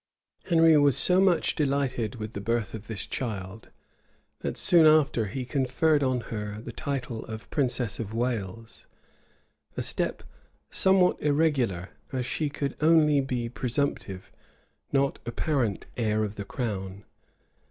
Henry was so much delighted with the birth of this child, that soon after he conferred on her the title of princess of Wales,[] a step somewhat irregular, as she could only be presumptive, not apparent heir of the crown.